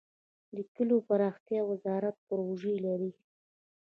د کلیو پراختیا وزارت پروژې لري؟